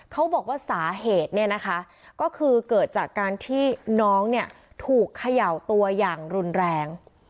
เขาบอกว่าสาเหตุเนี่ยนะคะก็คือเกิดจากการที่น้องเนี่ยถูกเขย่าตัวอย่างรุนแรง